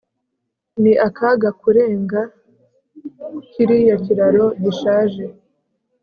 Ni akaga kurenga kiriya kiraro gishaje